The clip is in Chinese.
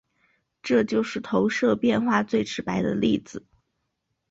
这就是投影变换最直白的例子。